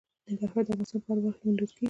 ننګرهار د افغانستان په هره برخه کې موندل کېږي.